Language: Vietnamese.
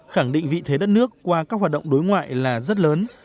khẳng định vị thế đất nước qua các hoạt động đối ngoại là rất lớn